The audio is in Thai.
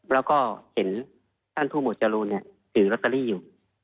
แล้วก็เห็นท่านผู้หมวดจรูนถือลอตเตอรี่อยู่